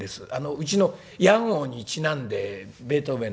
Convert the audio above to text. うちの屋号にちなんでベートーベン